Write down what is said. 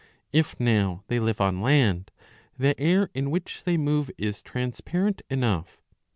If now they live on land, the air in which they move is transparent enough.